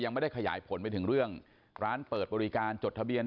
ตอนนี้กำลังจะโดดเนี่ยตอนนี้กำลังจะโดดเนี่ย